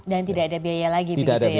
dan tidak ada biaya lagi